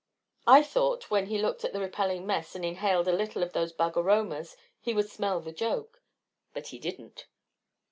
I thought, when he looked at the repelling mess and inhaled a little of those bug aromas, he would smell the joke, but he didn't.